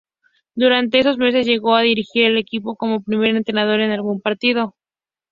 Durante esos meses, llegó a dirigir al equipo como primer entrenador en algún partido.